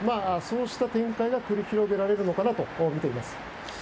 そうした展開が繰り広げられるとみています。